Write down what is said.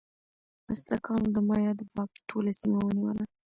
ازتکانو د مایا د واک ټوله سیمه ونیوله.